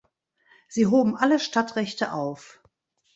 Sie hoben alle Stadtrechte auf.